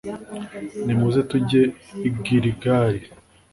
nimuze tujye i giligali